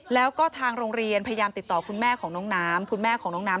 แล้วก็ทางโรงเรียนพยายามติดต่อคุณแม่ของน้องน้ำ